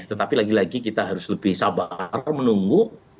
tetapi lagi lagi kita harus lebih sabar menunggu